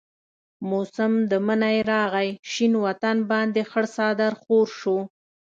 موسم د منی راغي شين وطن باندي خړ څادر خور شو